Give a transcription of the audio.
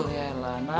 ya elah nat